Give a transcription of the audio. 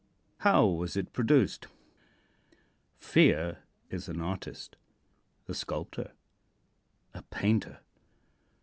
How was it produced? Fear is an artist a sculptor a painter.